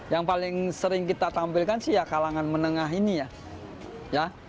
yang paling sering kita tampilkan sih ya kalangan menengah ini ya